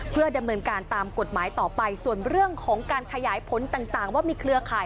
เพื่อดำเนินการตามกฎหมายต่อไปส่วนเรื่องของการขยายผลต่างว่ามีเครือข่าย